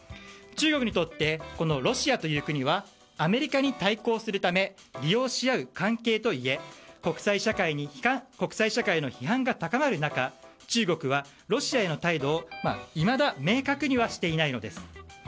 中国にとってロシアという国はアメリカに対抗するため利用し合う関係といえ国際社会の批判が高まる中中国はロシアへの態度をいまだ明確にはしていないのです。